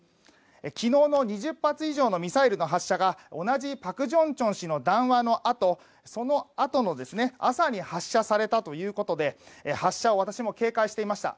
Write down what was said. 昨日の２０発以上のミサイルの発射が同じパク・ジョンチョン氏の談話のあとの朝に発射されたということで発射は私も警戒していました。